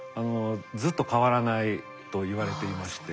ずっと変わらないといわれていまして。